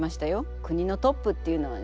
国のトップっていうのはね